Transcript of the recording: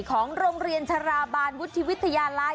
ของโรงเรียนชราบาลวุฒิวิทยาลัย